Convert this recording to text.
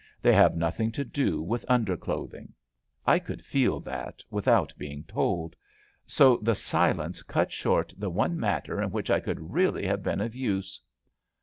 They have noth ing to do with underclothing. I could feel that without being told. So the silence cut short the one matter in which I could really have been of use.